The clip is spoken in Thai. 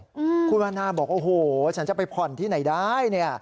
อืมคุณวันนาบอกโอ้โหฉันจะไปผ่อนที่ไหนได้เนี่ย